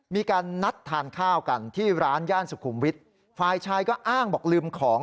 มีการนัดทานข้าวกันที่ร้านย่านสุขุมวิทย์ฝ่ายชายก็อ้างบอกลืมของ